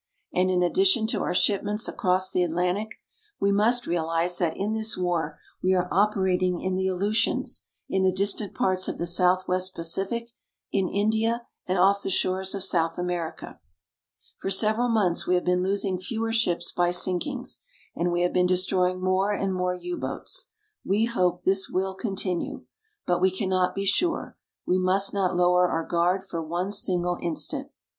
And in addition to our shipments across the Atlantic, we must realize that in this war we are operating in the Aleutians, in the distant parts of the Southwest Pacific, in India, and off the shores of South America. For several months we have been losing fewer ships by sinkings, and we have been destroying more and more U boats. We hope this will continue. But we cannot be sure. We must not lower our guard for one single instant.